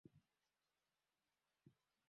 Dada yangu amekuwa kwa haraka.